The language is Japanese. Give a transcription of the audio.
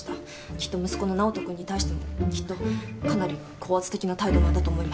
きっと息子の直人君に対してもきっとかなり高圧的な態度なんだと思います。